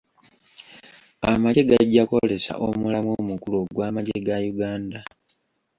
Amagye gajja kwolesa omulamwa omukulu ogw'amagye ga Uganda.